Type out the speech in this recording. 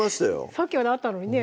さっきまであったのにね